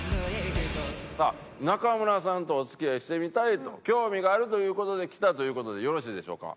さあ中村さんとお付き合いしてみたいと興味があるという事で来たという事でよろしいでしょうか？